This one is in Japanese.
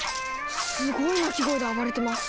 すごい鳴き声で暴れてます！